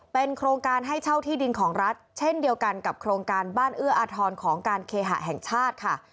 เป็นโครงการให้เช่าที่ดินของรัฐเช่นเดียวกันกับโครงการบ้านเอื้ออาทรของการเคหะแห่งชาติค่ะ